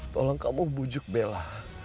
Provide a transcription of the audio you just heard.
tolong kamu bujuk bella